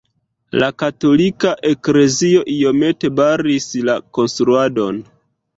La katolika eklezio iomete baris la konstruadon.